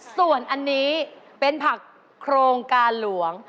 ส่วนอันนี้เป็นผักโครงการหลวง